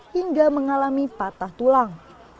hingga mengalami patah tulang